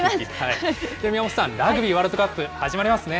宮本さん、ラグビーワールドカップ始まりますね。